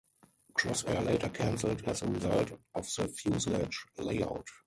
Crossair later cancelled as a result of the fuselage layout.